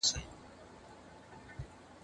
زه اوږده وخت کتابونه ليکم